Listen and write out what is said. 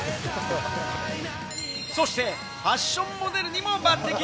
そして、ファッションモデルにも抜てき。